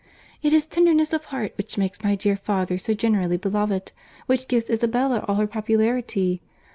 It is tenderness of heart which makes my dear father so generally beloved—which gives Isabella all her popularity.